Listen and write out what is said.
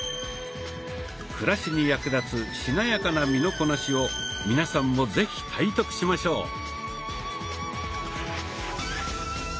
暮らしに役立つしなやかな身のこなしを皆さんも是非体得しましょう。